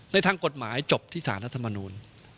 ในทางกฎหมายจบที่สารรัฐมนูล